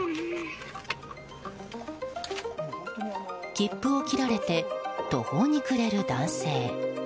切符を切られて途方に暮れる男性。